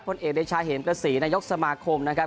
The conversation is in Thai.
คนเอกในชาเหนกฤษีนายกสมาคมนะครับ